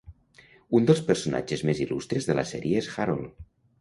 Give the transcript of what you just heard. Un dels personatges més il·lustres de la sèrie és Harold.